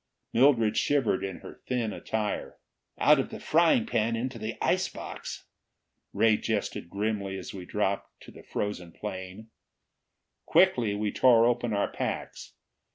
Mildred shivered in her thin attire. "Out of the frying pan into the ice box!" Ray jested grimly as we dropped, to the frozen plain. Quickly we tore open our packs.